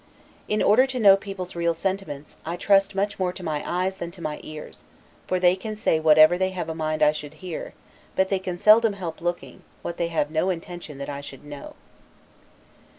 In order to know people's real sentiments, I trust much more to my eyes than to my ears: for they can say whatever they have a mind I should hear; but they can seldom help looking, what they have no intention that I should know.